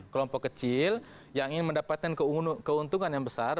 kelompok kecil yang ingin mendapatkan keuntungan yang besar